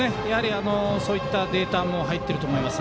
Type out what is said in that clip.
そういったデータも入ってると思います。